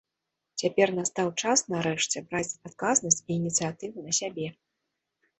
Цяпер настаў час, нарэшце, браць адказнасць і ініцыятыву на сябе.